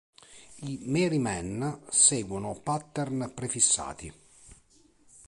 I Merry Men seguono pattern prefissati.